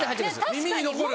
耳に残る！